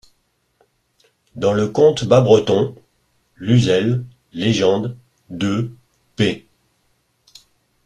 Dans le conte bas-breton (Luzel, _Légendes_, deux, p.